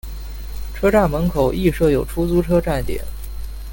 车站门口亦设有出租车站点。